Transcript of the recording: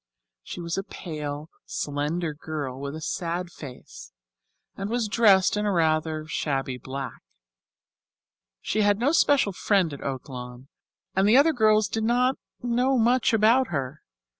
She was a pale, slender girl, with a sad face, and was dressed in rather shabby black. She had no special friend at Oaklawn, and the other girls did not know much about her.